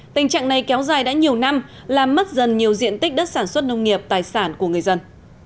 tình trạng này kéo dài đã nhiều năm làm mất dần nhiều diện tích đất sản xuất nông nghiệp tài sản của người dân